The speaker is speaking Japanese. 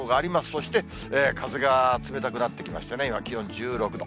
そして風が冷たくなってきましてね、今、気温１６度。